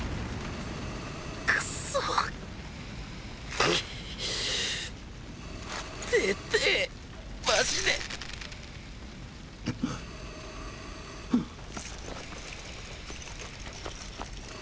クソ出てえマジでんっ！